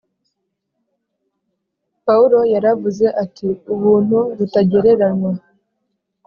Pawulo yaravuze ati “ubuntu butagereranywa